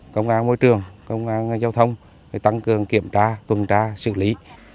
công an môi trường công an giao thông tăng cường kiểm tra tuần tra xử lý